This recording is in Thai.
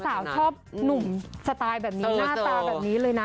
เถาชอบหนุ่มสไตล์แหละนี้หน้าตาแหละนี้เลยนะ